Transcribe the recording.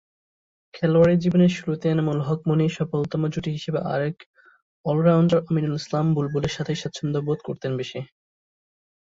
খেলোয়াড়ী জীবনের শুরুতে এনামুল হক মনি সফলতম জুটি হিসেবে আরেক অল-রাউন্ডার আমিনুল ইসলাম বুলবুলের সাথেই স্বাচ্ছন্দ্যবোধ করতেন বেশি।